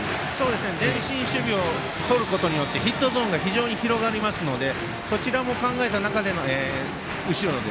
前進守備をとることによってヒットゾーンが広がりますのでそちらも考えた中で後ろ。